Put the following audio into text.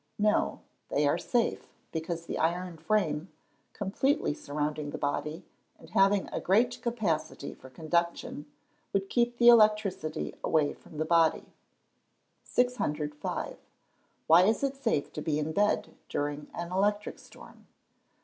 _ No, they are safe, because the iron frame, completely surrounding the body, and having a great capacity for conduction, would keep the electricity away from the body. 605. _Why is it safe to be in bed during an electric storm?